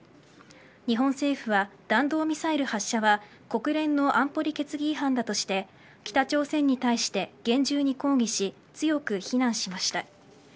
日本政府は弾道ミサイル発射は国連の安保理決議違反だとして北朝鮮に対して厳重に抗議し強く非難しました。